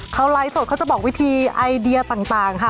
เขาไลฟ์สดเขาจะบอกวิธีไอเดียต่างค่ะ